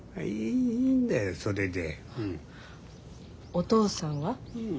お義父さんは？